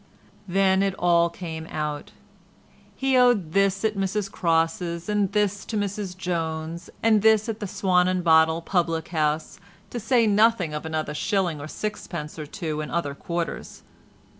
Then it all came out. He owed this at Mrs Cross's, and this to Mrs Jones, and this at the "Swan and Bottle" public house, to say nothing of another shilling or sixpence or two in other quarters.